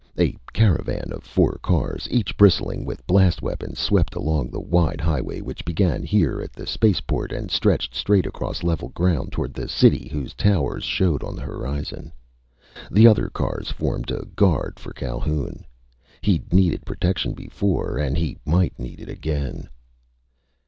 A caravan of four cars, each bristling with blast weapons, swept along the wide highway which began here at the spaceport and stretched straight across level ground toward the city whose towers showed on the horizon. The other cars formed a guard for Calhoun. He'd needed protection before, and he might need it again.